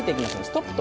ストップ。